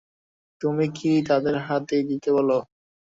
তুমি কি তাদের হাতেই দিতে বল?